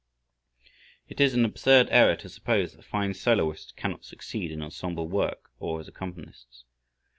It is an absurd error to suppose that fine soloists cannot succeed in ensemble work, or as accompanists.